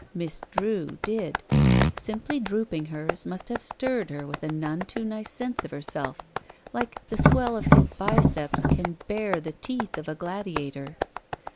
Miss Drew did. Simply drooping hers must have stirred her with a none too nice sense of heji self , like the swell of his biceps can bare the teeth of a gladiator.